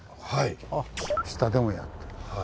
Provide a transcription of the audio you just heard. あっ下でもやってる。